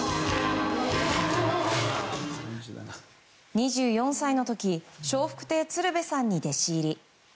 ２４歳の時笑福亭鶴瓶さんに弟子入り。